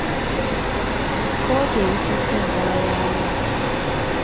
Kkooti eyisizza ensala yaayo.